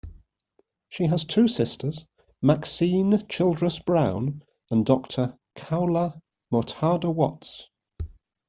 She has two sisters, Maxine Childress Brown and Doctor Khaula Murtadha Watts.